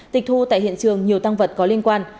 tịch thu tại hiện trường nhiều tăng vật có liên quan